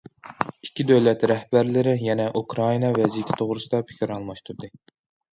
ئىككى دۆلەت رەھبەرلىرى يەنە ئۇكرائىنا ۋەزىيىتى توغرىسىدا پىكىر ئالماشتۇردى.